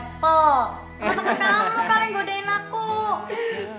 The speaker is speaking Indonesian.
emang temen kamu kali yang godein aku